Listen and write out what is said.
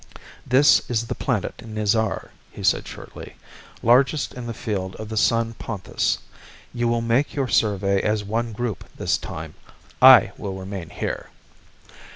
"This is the planet Nizar," he said shortly. "Largest in the field of the sun Ponthis. You will make your survey as one group this time. I will remain here."